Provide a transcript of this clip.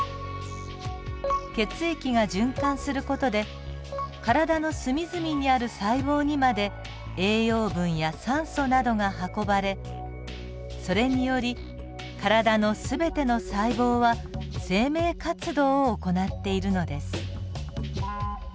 血液が循環する事で体の隅々にある細胞にまで栄養分や酸素などが運ばれそれにより体の全ての細胞は生命活動を行っているのです。